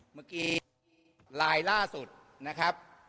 เมื่อกี้ลายล่าสุดนะครับ